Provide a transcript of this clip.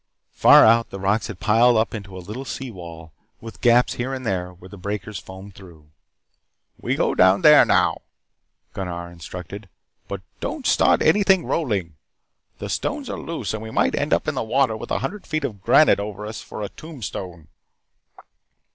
Far out, the rocks had piled up into a little sea wall, with gaps here and there where the breakers foamed through. "We go down here now," Gunnar instructed. "But don't start anything rolling. The stones are loose, and we might end up in the water with a hundred feet of granite over us for a tombstone."